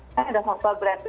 kan ada faktor berat badan juga